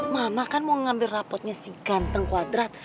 mama kan mau ngambil rapotnya si ganteng kuadrat